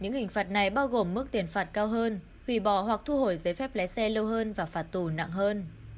những hình phạt này bao gồm mức tiền phạt cao hơn hủy bỏ hoặc thu hồi giấy phép lái xe lâu hơn và phạt tù nặng hơn